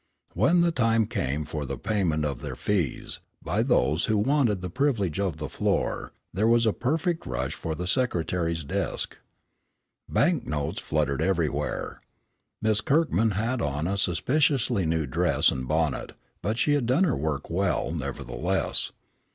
When the time came for the payment of their fees, by those who wanted the privilege of the floor, there was a perfect rush for the secretary's desk. Bank notes fluttered everywhere. Miss Kirkman had on a suspiciously new dress and bonnet, but she had done her work well, nevertheless.